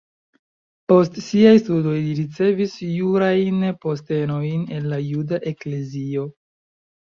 Post siaj studoj li ricevis jurajn postenojn en la juda eklezio.